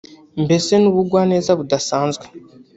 mbese n’ubugwaneza budasanzwe